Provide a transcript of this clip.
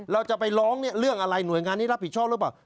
เราจะไปร้องเรื่องอะไรหน่วยงานนี้รับผิดชอบหรือเปล่า